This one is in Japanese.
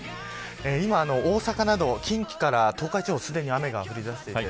今、大阪など近畿から東海地方すでに雨が降り出している。